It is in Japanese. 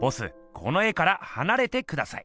この絵からはなれてください。